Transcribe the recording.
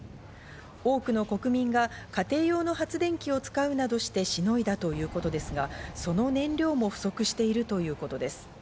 多くの国民が家庭用の発電機を使うなどしてしのいだということですが、その燃料も不足しているということです。